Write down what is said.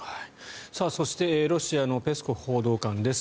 そしてロシアのペスコフ報道官です。